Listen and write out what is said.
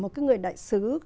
một cái người đại sứ